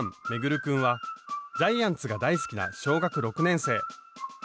君はジャイアンツが大好きな小学６年生。